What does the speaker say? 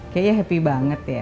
kayaknya happy banget ya